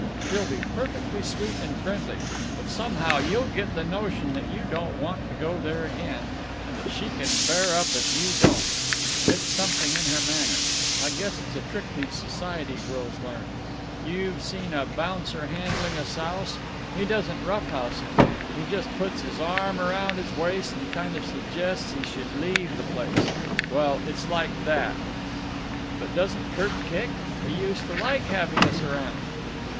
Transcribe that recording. She'll be perfectly sweet and friendly, but somehow you'll get the notion that you don't want to go there again, and that she can bear up if you don't. It's something in her manner. I guess it's a trick these society girls learn. You've seen a bouncer handling a souse. He doesn't rough house him. He just puts his arm round his waist and kind of suggests he should leave the place. Well, it's like that." "But doesn't Kirk kick? He used to like having us around."